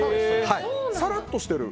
さらっとしてる。